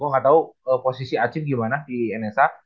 gua ga tau posisi acim gimana di nsa